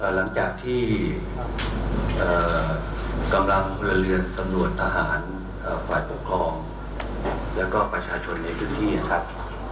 หลังจากที่กำลังพลเรือนจำนวนทหารฝ่ายปกครองแล้วก็ประชาชนในพื้นที่นะครับ